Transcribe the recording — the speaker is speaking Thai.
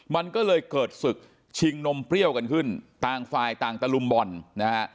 มันก็เลยเกิดศึกชิงนมเปรี้ยวกันขึ้นต่างฝ่ายต่างตะลุมบ่อนนะฮะ